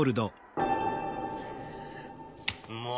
もう！